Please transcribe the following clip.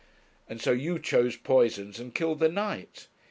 'And so you chose poisons and killed the knight?'